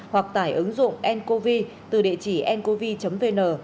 hoặc tải ứng dụng ncovi từ địa chỉ ncovi vn